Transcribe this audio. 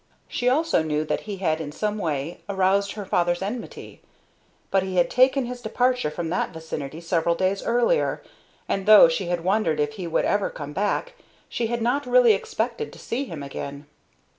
She also knew that he had in some way aroused her father's enmity. But he had taken his departure from that vicinity several days earlier, and, though she had wondered if he would ever come back, she had not really expected to see him again.